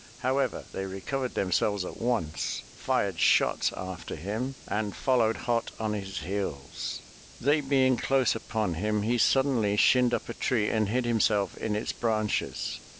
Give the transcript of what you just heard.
How ever, they recovered themselves at once, fired shots after him 347 MY BOOK HOUSE and followed hot on his heels. They being close upon him, he suddenly shinned up a tree and hid himself in its branches.